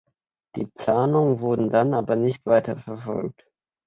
Die Planungen wurden dann aber nicht weiterverfolgt.